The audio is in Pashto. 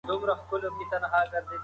څېړنه باید دقیق او بې پرې وي.